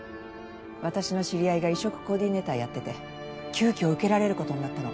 私の知り合いが移植コーディネーターやってて急きょ受けられることになったの。